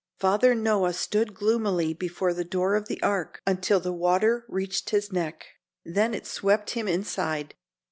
Father Noah stood gloomily before the door of the Ark until the water reached his neck. Then it swept him inside.